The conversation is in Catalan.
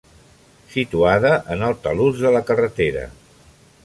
Situada en el talús de la carretera.